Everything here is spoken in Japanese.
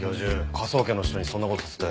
科捜研の人にそんな事させて。